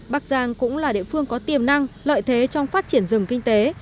bắc giang cũng là địa phương có tiềm năng lợi thế trong phát triển rừng kinh tế